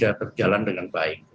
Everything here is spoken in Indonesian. bisa berjalan dengan baik